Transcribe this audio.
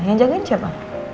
yang jagain siapa